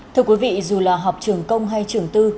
thưa quý vị dù là học trường công hay trường tư